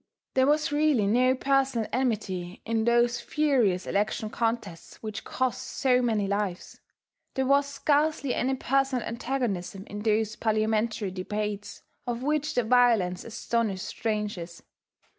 There was really no personal enmity in those furious election contests, which cost so many lives; there was scarcely any personal antagonism in those parliamentary debates of which the violence astonished strangers.